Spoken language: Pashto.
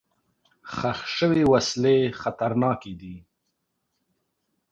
ښخ شوي وسلې خطرناکې دي.